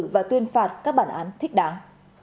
và tuyên phạt các bản án thích đáng